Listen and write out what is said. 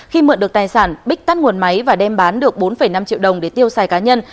khi mượn được tài sản bích tắt nguồn máy và đem bán được bốn năm triệu đồng để tiêu xài cá nhân